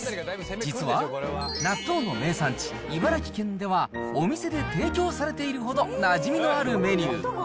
実は、納豆の名産地、茨城県ではお店で提供されているほど、なじみのあるメニュー。